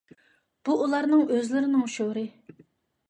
بۇ ئۇلارنىڭ ئۆزلىرىنىڭ شورى.